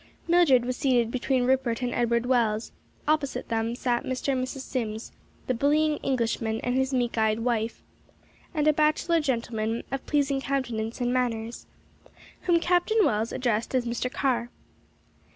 Mildred was seated between Rupert and Edward Wells; opposite them sat Mr. and Mrs. Sims, the bullying Englishman and his meek eyed wife, and a bachelor gentleman of pleasing countenance and manners, whom Captain Wells addressed as Mr. Carr.